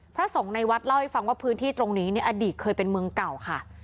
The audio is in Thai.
พระสงฆ์ในวัดเล่าให้ฟังว่าพื้นที่ตรงนี้อดีตเคยเป็นเมืองเก่าค่ะ